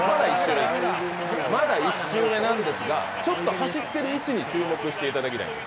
まだ１周目なんですが、走ってる位置に注目していただきたい。